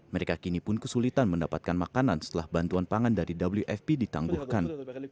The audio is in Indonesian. mereka kini pun kesulitan mendapatkan makanan setelah bantuan pangan dari wfp ditangguhkan